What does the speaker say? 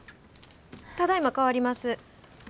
ただいま代わります。